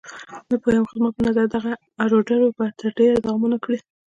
نه پوهېږم، خو زما په نظر دغه اړودوړ به تر ډېره دوام ونه کړي.